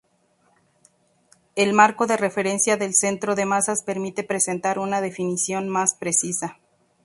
El marco de referencia del centro de masas permite presentar una definición más precisa.